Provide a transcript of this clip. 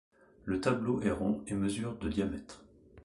Le tableau est rond et mesure de diamètre.